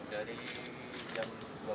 dari jam dua belas